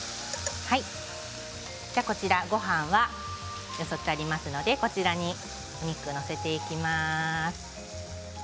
ごはんはよそってありますのでこちらにお肉を載せていきます。